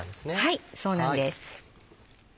はいそうなんです。